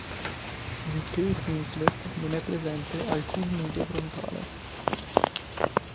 Di Kate Winslet non è presente alcun nudo frontale.